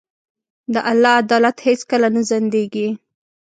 د الله عدالت هیڅکله نه ځنډېږي.